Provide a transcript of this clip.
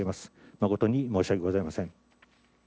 誠に申し訳ございません。